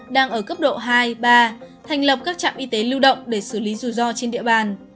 đang ở cấp độ hai ba thành lập các trạm y tế lưu động để xử lý rủi ro trên địa bàn